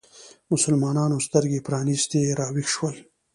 مسلمانانو سترګې پرانیستې راویښ شول